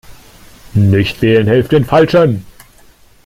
Nichtwählen hilft den Falschen.